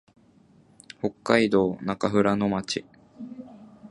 北海道中富良野町